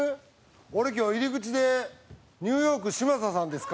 俺、今日、入り口でニューヨーク嶋佐さんですか？